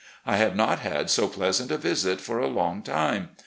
I have not had so pleasant a visit for a long time.